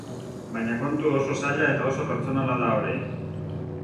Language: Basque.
Baina kontu oso zaila eta oso pertsonala da hori.